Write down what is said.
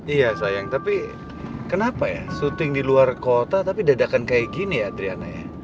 iya sayang tapi kenapa ya syuting di luar kota tapi dadakan kayak gini ya triana ya